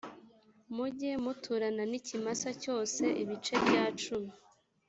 mujye muturana n ikimasa cyose ibice bya cumi